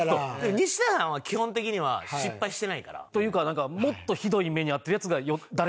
西田さんは基本的には失敗してないから。というかもっとひどい目に遭ってるヤツが誰かはいた。